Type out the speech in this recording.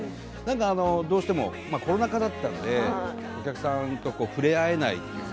どうしてもコロナ禍だったのでお客さんと触れ合えないじゃないですか。